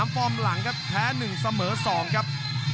ฟอร์มหลังครับแพ้๑เสมอ๒ครับ